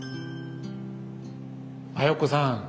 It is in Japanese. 綾子さん！